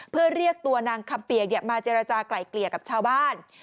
เพื่อเรียกตัวนางคำเปียกมาเจรจากลายเกลี่ยกับชาวบ้าน